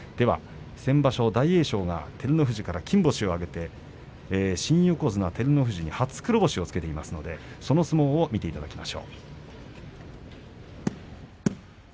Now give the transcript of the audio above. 先場所大栄翔が照ノ富士から金星を挙げて新横綱照ノ富士に初黒星をつけていますのでその相撲を見ていただきます。